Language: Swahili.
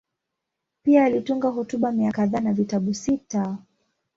Pia alitunga hotuba mia kadhaa na vitabu sita.